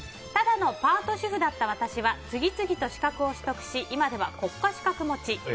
ただのパート主婦だった私は次々と資格を取得し今では国家資格持ち。